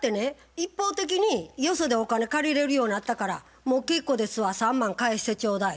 一方的によそでお金借りれるようなったから「もう結構ですわ３万返してちょうだい」